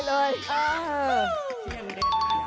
เยี่ยมเด็ก